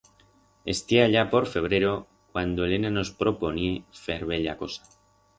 Estié allá por febrero cuando Elena nos proponié fer bella cosa.